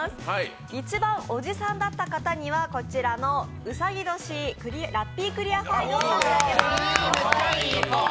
一番おじさんだった方にはこちらのうさぎ年ラッピークリアファイルを差し上げます。